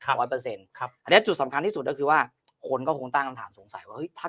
อันนี้จุดสำคัญที่สุดก็คือว่าคนก็คงตั้งคำถามสงสัยว่าเฮ้ยถ้า